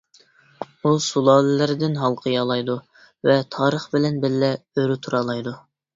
ئۇ سۇلالىلەردىن ھالقىيالايدۇ ۋە تارىخ بىلەن بىللە ئۆرە تۇرالايدۇ.